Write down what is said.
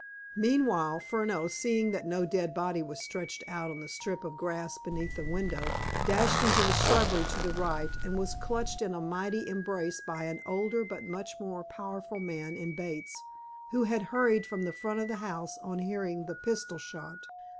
Meanwhile, Furneaux, seeing that no dead body was stretched on the strip of grass beneath the window, dashed into the shrubbery to the right, and was clutched in a mighty embrace by an older but much more powerful man in Bates, who had hurried from the front of the house on hearing the pistol shot.